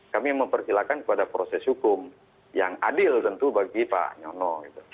kami mempersilahkan kepada proses hukum yang adil tentu bagi pak nyono